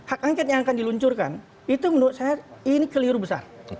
hak angket yang akan diluncurkan itu menurut saya ini keliru besar